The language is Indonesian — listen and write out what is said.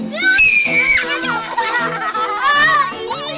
mau mudah dimulai